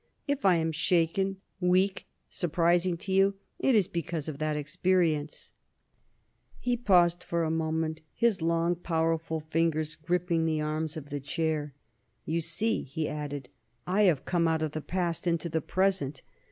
If I am shaken, weak, surprising to you, it is because of that experience." He paused for a moment, his long, powerful fingers gripping the arms of the chair. "You see," he added, "I have come out of the past into the present.